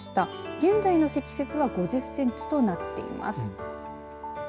現在の積雪は５０センチとなっています。